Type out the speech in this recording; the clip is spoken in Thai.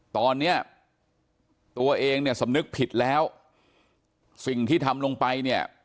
ตอนนี้ตัวเองเนี่ยสำนึกผิดแล้วสิ่งที่ทำลงไปเนี่ย